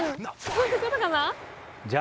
そういうことかな？